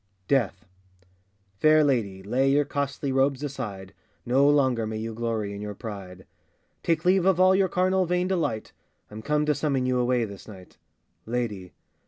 ] DEATH. FAIR lady, lay your costly robes aside, No longer may you glory in your pride; Take leave of all your carnal vain delight, I'm come to summon you away this night! LADY.